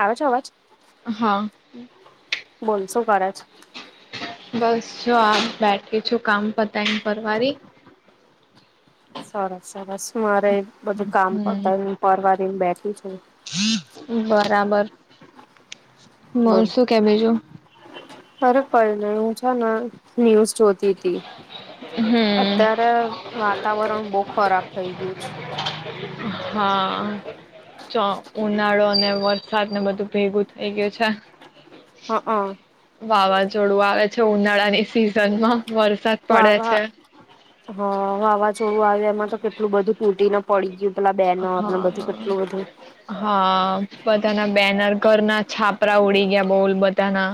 આવે છે અવાજ? [inaudible] બોલ શું કરછ બસ જો આપ બેઠી છું કામ પતાય ને પરવારી. સરસ સરસ [unintelligible] બધું કામ હમ પતાય ને પરવા તી બેઠી છું. બરાબર. બોલ મલસો કેબેજો. પણ હું છે ના ન્યૂઝ જોતી તી. હમ અત્યારે વાતાવરણ બો ખરાબ થઇ ગયું છે. હા ચ ઉનાળો અને વરસાદ ને બધું ભેગું થઈ ગયું છે. હઅ જોડું આવે છે ઉનાળા ની સિઝન માં. વરસાદ પડે છે. હા વાવાઝોડું આવ્યું એમાં તો કેટલું બધું તૂટી ના પડી ગયું. પેલા બેનર ને બધું હા કેટલું બધું હા બધાના બેનર ઘરના છાપરા ઉડી ગયા બોલ બધાના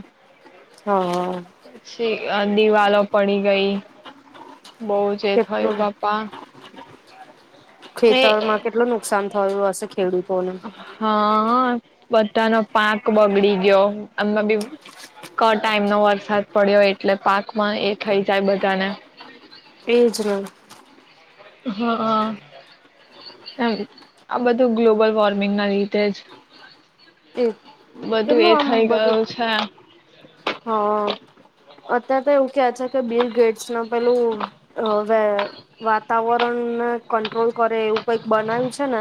હા. દીવાલો પડી ગઈ. બહુ જ એ થયું કેટલું બાપા ને ખેતર માં કેટલું નુકસાન થયું હશે કે હા. બધાનો પાક બગડી ગયો એમાં બી ક ટાઈમ નો વરસાદ પડ્યો એટલે પાકમાં એ થઇ જાય બધાને. એજ ન હા હ એમ આ બધું ગ્લોબલ વોર્મિંગ ના લીધે જ એ બધું એ કેટલું આમ થઈ ગયું બધું છે હા. અત્યારે તો એવું કે છે કે બિલ ગેટ્સ ના પેલું અ વેર વાતાવરણને કંટ્રોલ કરે એવું કઈક બનાવ્યું છે. હે ન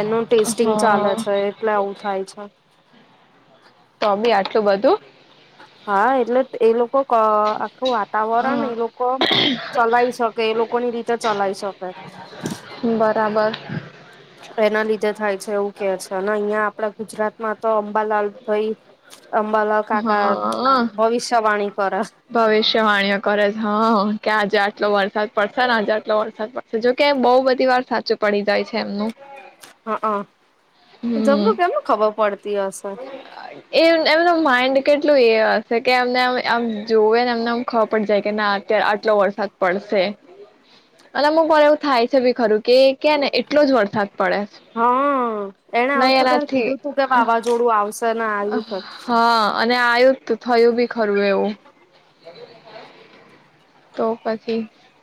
એનું ટેસ્ટિંગ ચાલે હા છે એટલે આવું થાય છે. તોબી આટલું બધું. હા એટલે એ લોકો ક. આખું વાતાવરણ એ લોકો ચલાય શકે એ લોકો ની રીતે ચલાય શકે. હ એના લીધે થાય છે એવું કે છે અને અહિયાં આપડા ગુજરાત મા તો અંબાલાલ ભાઈ અંબાલાલ કાકા હા અ ભવિષ્યવાણી કરે ભવિષ્યવાણીઓ કરે છે હ કે આજે આ. એટલો વરસાદ પડશે ને આજા આટલો વરસાદ પડશે જોકે બહ બધી વાર સાચું પડી જાય છે એમનું. હા અ હમ જબરું કેમ ખબર પડતી હશે. એ એમનું માઇન્ડ કેટલું એ હશે કે એમને આમ જોવેને એમનેમ ખબર પડ જાય કે ના અત્યારે આટલો વરસાદ પડશે અને અમુક મા એવું થાય છે ભી ખરું કે કે ને એટલો જ વરસાદ. પડે હા એણે આ નહી વખત એનાથી કીધું તું કે વાવાઝોડું આવશે. ને આવ્યું ખરું હા અને આયુ તો થયું બી ખરું એવું તો પછી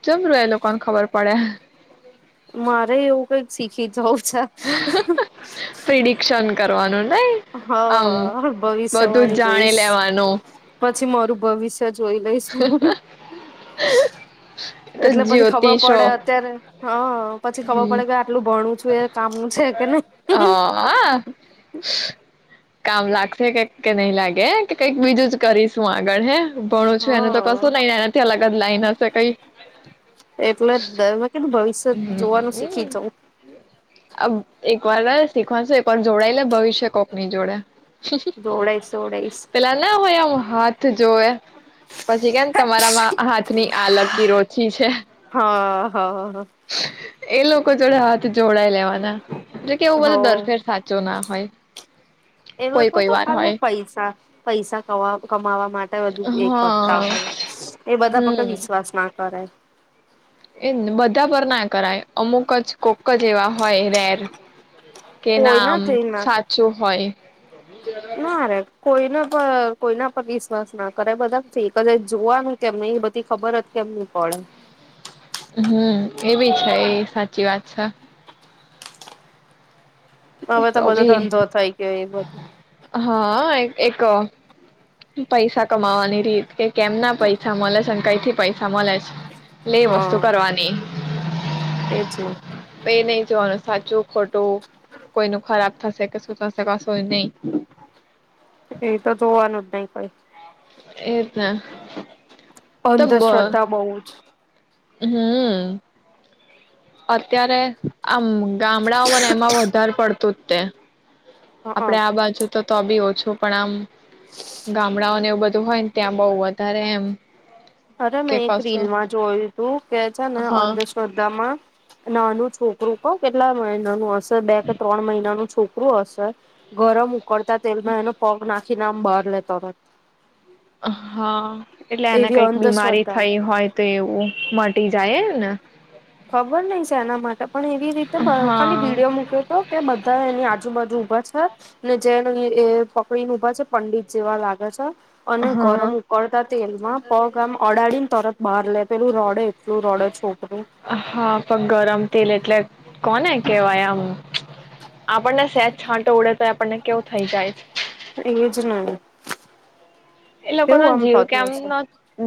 જબરુ એ લોકોને ખબર પડે. મારે એવું કઈક શીખી જવું. છે પ્રિડિકશન કરવાનું. નઈ આમ હા બધું ભવિષ્યવાણી જાણી જોઈશ લેવાનું પછી મારું ભવિષ્ય જોઈ લઈશું તો એટલે પછી ખબર જ્યોતિષો પડે અત્યારે હા પછી હ ખબર પડે કે આટલું ભણું છું. તુંએ કામનું છે નય. હા કામ લાગશે કે કે નહી લાગે કે કંઈક બીજું જ કરીશું આગળ હે. ભણું છું એને હા તો કશું નહી એનાથી અલગજ. લાઈનસ કઈ. એટલે દ મે કીધુ ભવિષ્યત જોવાનું હમ શીખી જાવ [unintelligible] શીખવાદસે પર જોડાયેલે ભવિષ્ય કોકની જોડે. જોવડાઈશ જોવડાઈશ પેલા ના હોય હાથ જો એ. પછી કેમ તમારામાં હા ની આલકીરો ઓચી છે. હા હ. એ લોકો જોડે હાથ ધોવડાયે લેવાના એટલે કે એવું બધું હ દરફેર સાચો ના હોય એ કોઈ લોકો કોઈ તો વાર હોય ખાલી પૈસા પૈસા ક કમાવા માટે બધું એ કરતા હા હોય એ બધા પ હમ વિશ્વાસ નાખે કરે છે. એ જ ને બધા પર ના કરાય અમુક જ કોક જ એવા હોય રેર કે નામ કોઈના આમ થઈ ના સાચું હોય [inaudible] ના રે કોઈના પર કોઈના પર વિશ્વાસ ના કરે બધા કદા જોવાનું કેને એ બધી ખબર જ કેમ નહી પડે હમ એવી છે એ સાચી વાત છે હવે તો બધો ધંધો થઈ ગયો એ બધું હા એક એક પૈસા કમાવાની રીત કે કેમના પૈસા મળે છે અને કઈથી પૈસા મળે છે લે વસ્તુ કરવાની એજને એ જોવાનું સાચું ખોટુ કોઈ નુ ખરાબ થશે કે શું થશે કશુજ નહી એ તો જોવાનું જ નહી કોઇ એજને અંધશ્રદ્ધા બહુ જ હા અત્યારે આમ ગામડાઓને એમાં વધારે પડતું જ તે આપડે હ આ બાજુ તો તો બી ઓછું પણ આમ ગામડાઓને એવું બધું હોય ને ત્યાં બહુ વધારે એમ અરે કે મેં એક કશું રીલમાં જોયું તું કે છે ને હા અંધશ્રદ્ધામાં નાનું છોકરું ક કેટલા મહિનાનું હશે બે કે ત્રણ મહિનાનું છોકરું હશે ગરમ ઉકડતા તેલમાં એનો પગ નાખી ને આમ બહાર લેતો હોય હ હા એટલે એને કઈક બીમારી અંધશ્રદ્ધા થઈ હોય તો એવું મટી [unintelligible] એમ ને ખબર નહ છે એના માટે પણ એવી રીતે ખાલી હા વિડીયો મૂક્યો હતો કે બધા એની આજુબાજુ ઊભા ને જેને એ પકડીને ઉભા છે પંડિત જેવા લાગે છે અને હા ગરમ ઉકળતા તેલ માં પગ આમ અડાડીને તરત બહાર લે પેલું રડે એટલું રડે છોકરી હા પણ ગરમ તેલ એટલે કોને કેવાય આમ આપણને સેજ છાંટો ઉડે તો આપણને કેવું થઈ જાય છે એજને એ લોકો ના જીવ કેમનો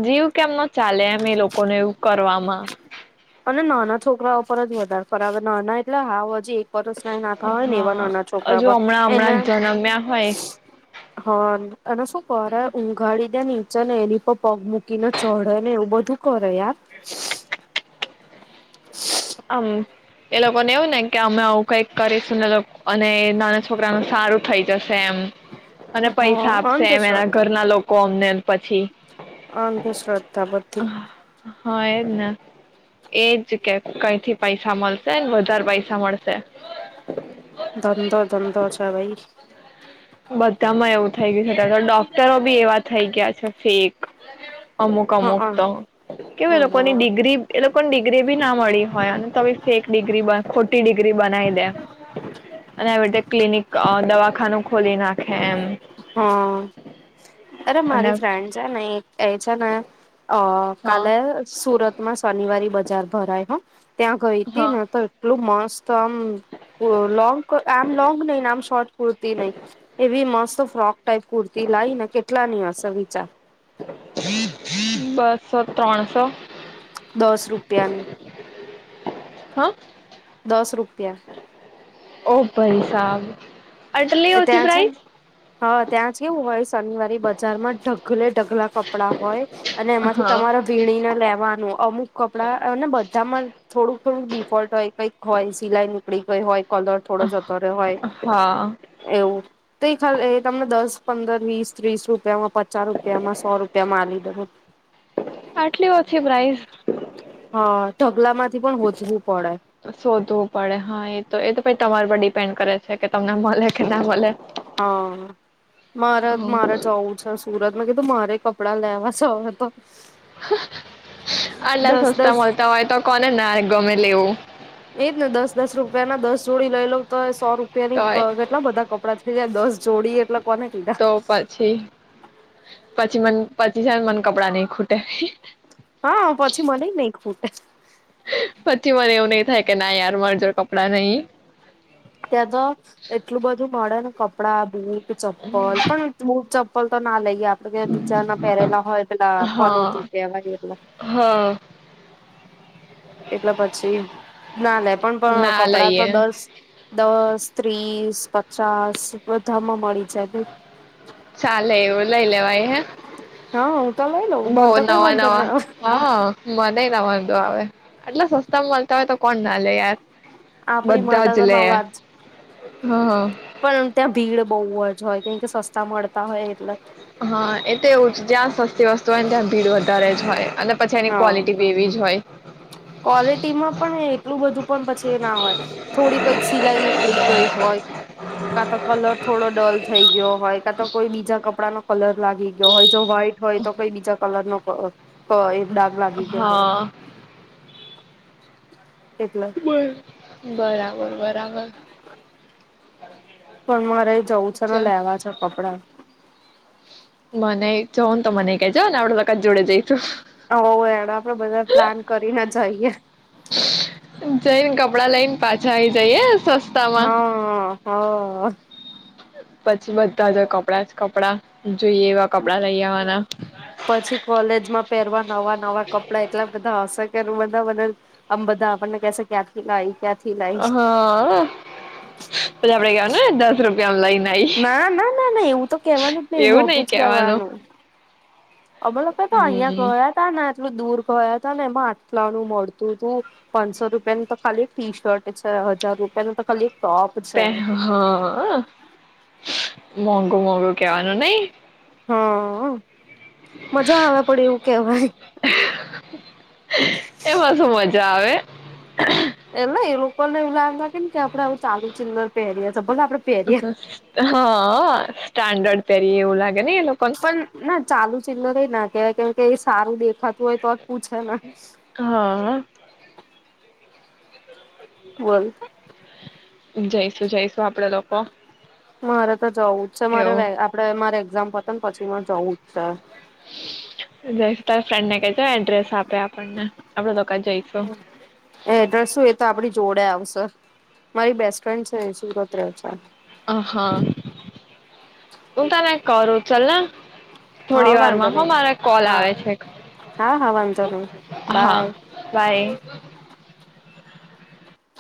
જીવ. કેમનો ચાલે એમ એ લોકોને એવું કરવા. માં. [unintelligible] નાતા હોય ને એવા હા નાના છોકરા પર હજુ હમણાં એને હમણાં જન્મ્યા હોય હ એને શું કર ઊઘાડી. નીચે ને એની પર પગ મૂકીને ચઢે ને એવું બધું કરે યાર. [inaudible] આમ એ લોકોને એવું ને કે અમે આવું કઈક કરીશું ને લોકો અને નાના છોકરાનું સારું થઈ જશે એમ. અને હા પૈસા આપશે એમ એના ઘરના લોકો અમને. પછી. અંધંધશ્રદ્ધા બધી. હ એજ ને એજ કે. કઈ થી પૈસા મળશે વધારે પૈસા મળશે. ધંધો ધંધો છે ભાઈ. બધામાં એવું થઈ ગયું છે ત ડોક્ટરો બી એવા થઈ ગયા છે ફેક. અમુક હ હ અમુક તો હ કેવું એ લોકોની ડિગ્રી એ લોકોને ડિગ્રી બી ના મળી હોય અને ત ફેક ડિગ્રી ખોટી ડિગ્રી બનાવી દે. અને આ રીતે ક્લિનિક અ દવાખાનું. ખોલી નાખે એમ. હ અરે અને મારી ફ્રેન્ડ છે ને એક એ છે ને અ. હા કાલે સુરતમાં શનિવારી બજાર ભરાય. હ હ. ત્યાં ગઈ હતી હા ને તો એટલું મસ્ત. આમ લોન્ગ કુ આમ લોગ નહીને આમ શર્ટ કુર્તી નહી એવી મસ્ત. ફ્રોક. ટાઈપ કુર્તી લાઇ ને કેટલા ની હશે. [unintelligible] બસો ત્રણસો. દસ રૂપિયાની. હા. દસ રૂપિયા. ઓ ભાઈ સાબ અટલી એ ઓછી ત્યાં છે ને પ્રાઈઝ હા ત્યાં કેવું હોય શનિવારે બજારમાં ઢગલે ઢગલા કપડા હોય. અને એમાંથી હા તમારે વીણી ને લેવાનું. અમુક કપડાં અને બધા માં થોડુંક થોડુંક ડિફોલ્ટ હોય. કઈક હોય સિલાઈ નું આપડી કોઈ હોય કલર થોડો જતો રિયો હોય હા એવું તો એ ખાલી એ તમને દસ, પંદર, વીસ, ત્રીસ રૂપિયામાં, પચાસ રૂપિયામાં, સો રૂપિયા મા લી દેઉ. આટલી ઓછી પ્રાઇઝ, હા ઢગલા માંથી પણ હોજવું પડે શોધવું પડે હા એ તો એ તો પ તમાર પર ડિપેન્ડ કરે છે કે તમને મળે કે ના મળે. હા મારે મારે જવું છે સુરત માં કીધું મારે કપડાં લેવા સ તો આલા દસ સસ્તા દસ મળતા હોય તો કોને ના ગમે લેવું. એજ ને દસ દસ રૂપિયા ના દસ જોડી લઈ લઉ તો સો રૂપિયાની તોય ક કેટલા બધા કપડા છે જ્યાં દસ જોડી એટલે કોને કીધા તો પછી. પછી મન પછી છે મને કપડાં નહી ખૂટે. અ પછી મને એવું નહી થાય કે ના યાર માર જોડે કપડાં નહી. ત્યાં તો એટલું બધું મળે ને કપડા, બૂટ ચપ્પલ પણ બુટ ચ હોલ તો ના લઈ. આપડે બીચા ના પહેરેલા હોય પેલા હા પનોતી કેહેવાયલા. હા એટલે પછી ના લે પણ પણ ના કપડા તો લઈએ દસ દ ત્રીસ, પચાસ બધામાં મળી જાય બ ચાલે એવું લઈ લેવાય હે હા હું તો લઈ લઉં બહુ મને તો કઈ નવા વાંધો નવા. ના આવે હા. નહી ના વાંધો આવે એટલે તમ તમે તો કોણ નાલે યાર. આપડી બધા માટેટા જ લે તો નવાજ હા પણ ત્યાં ભીડ બહુ હોય. હોય કંઈક સસ્તા મળતા હોય એટલે. હા એ તો એવું જ્યાં સસ્તી વસ્તુ હોય ને ત્યાં ભીડ વધારે જ હોય. અને પછી એની ક્વોલિટી બી એવી જ હોય. ક્વોલિટી માં પણ એટલું બધું પણ પછી ના હોય. થોડી કઈક સિલાઈ નીકળી ગઈ હોય, કા તો કલર થોડો ડલ થઈ ગયો હોય, કા તો કોઈ બીજા કપડાનો કલર લાગી ગયો હોય. જો વ્હાઈટ હોય તો કઈ બીજા કલર નું પ પ દાગ લાગી ગયો હોય. હા એટલે બરાબર બરાબર. હ. પણ મારે જવું છે ને લેવા છે કપડા. મને ચો તો મને કજો ને આપડત જોડે જાય. હો એડ આપડે બધા પ્લાન કરીને જઈએ. કપડા લઈને પાછા આવીઈ જઈએ. સસ્તામાં હા હા. પછી બધા જ કપડા જ કપડા. જોઈએ એવા કપડા લઈ આવવાના. પછી કોલેજમાં પહેરવા નવા નવા કપડા એટલા બધા એશે. યાર બધા બદલ આમ બધા આપણને કેસે કે ક્યાંથી ના કાયી. હા પલા રયા હ દસ રૂપિયામાં લઈ. ના ના ના ના એવું તો કેવાનું જ નહી એવું મોઘું નઈ જ કેવાનું. અમે લોકો તો અહિયાં હમ ગયા તા ને. થોડું દૂર ગયા ત ને એમાં આટલા નું મળતું હતું પાંચસો રૂપિયાનું તો ખાલી એક ટી શર્ટ છે હજાર રૂપિયાનું તો ખાલી ટોપ છે પે હા. મોંઘું મોંઘું કેવાનું નહી. હા. મજા આવે પણ એવું કેવાય એમાં શું મજા આવે. એટલે એ લોકો ને એવું લાગ લાગે ને કે આપડે આવું ચાલુ ચિલર પહેરયા. હા સ્ટાન્ડર્ડ તરી એવું લાગે ને એ લોકોને. પણ ના ચાલુ ચિલ્લર એ ના કહેવાય કેમ કે એ સારું દેખાતું હોય તો જ. પૂછે ને હા. બોલ. જઈશુ જઈશું આપડે લોકો. મારા. તો જવું જ છે મારે એવું આપડે મારે એક્ઝામ પત પછી. માં ચૌદ ચાર જ તારી ફ્રેન્ડ ને કસે એડ્રેસ આપે આપણને આપડે લોકો જઈશું એડ્રેસું એ તો આપડી જોડે આવશે. મારી બેસ્ટ. ફ્રેન્ડ છે [unintelligible] હુ કાલે કરું ચલને હા થોડી વાંધો વારમાં હો નહી મારા કોલ આવે છે હા હા હા વાંધો નહી હા બાય બાય.